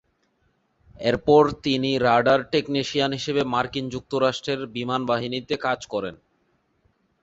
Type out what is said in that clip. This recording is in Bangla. এরপর তিনি রাডার টেকনিশিয়ান হিসেবে মার্কিন যুক্তরাষ্ট্রের বিমানবাহিনীতে কাজ করেন।